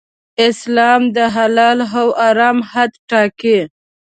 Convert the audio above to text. اسلام د حلال او حرام حد ټاکي.